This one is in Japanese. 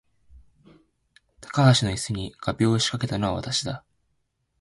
高橋の椅子に画びょうを仕掛けたのは私だ